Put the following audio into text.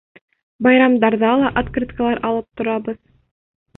Байрамдарҙа ла открыткалар алып торабыҙ.